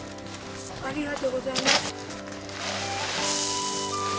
ありがとうございます。